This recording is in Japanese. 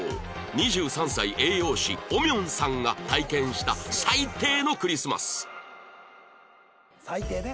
２３歳栄養士おみょんさんが体験した最低のクリスマス最低ね。